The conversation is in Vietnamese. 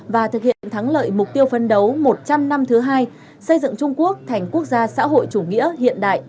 và thực hiện thắng lợi mục tiêu phấn đấu một trăm linh năm thứ hai xây dựng trung quốc thành quốc gia xã hội chủ nghĩa hiện đại